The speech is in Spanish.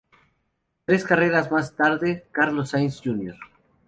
Tres carreras más tarde, Carlos Sainz Jr.